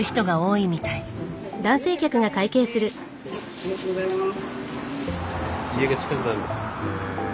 ありがとうございます。